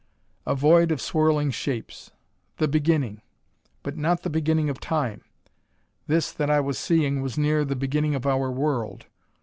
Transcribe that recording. A void of swirling shapes. The Beginning! But not the Beginning of Time. This that I was seeing was near the beginning of our world.